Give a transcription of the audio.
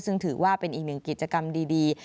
ซึ่งถือว่าเป็นอีกหนึ่งกิจกรรมดี